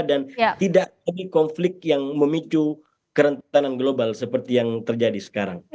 dan tidak lagi konflik yang memicu kerentanan global seperti yang terjadi sekarang